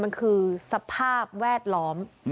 มันคือสภาพแวดล้อม